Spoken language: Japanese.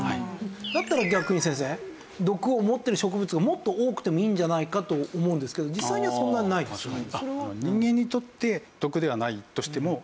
だったら逆に先生毒を持ってる植物がもっと多くてもいいんじゃないかと思うんですけど実際にはそんなにないですよね。